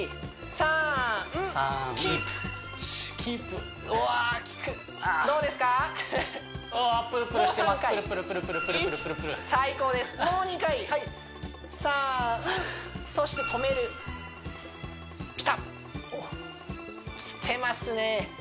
３そして止めるピタッきてますね